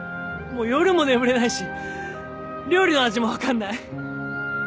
もう夜も眠れないし料理の味もわかんない。